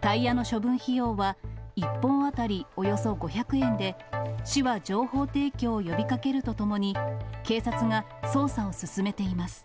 タイヤの処分費用は、１本当たりおよそ５００円で、市は情報提供を呼びかけるとともに、警察が捜査を進めています。